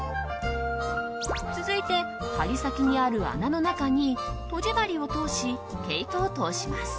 続いて、針先にある穴の中にとじ針を通し、毛糸を通します。